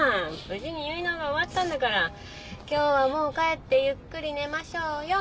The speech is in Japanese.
無事に結納が終わったんだから今日はもう帰ってゆっくり寝ましょうよ。